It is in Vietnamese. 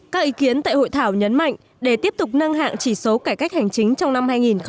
các ý kiến tại hội thảo nhấn mạnh để tiếp tục nâng hạng chỉ số cải cách hành chính trong năm hai nghìn hai mươi